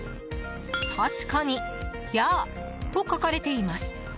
確かにヤーと書かれています。